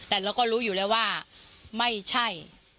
แต่เราก็รู้อยู่แล้วว่าไม่ใช่